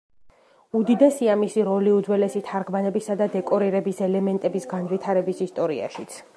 უდიდესია მისი როლი უძველესი თარგმანებისა და დეკორირების ელემენტების განვითარების ისტორიაშიც.